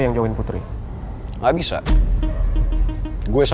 bukankah mbak tarik kerja cait